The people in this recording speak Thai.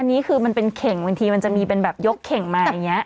อันนี้คือมันเป็นเข่งบางทีมันจะมีเป็นแบบยกเข่งมาอย่างนี้